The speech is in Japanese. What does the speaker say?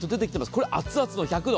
これ熱々の１００度。